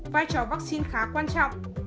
vai trò vắc xin khá quan trọng